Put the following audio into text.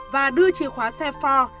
và đưa chìa khóa xe ford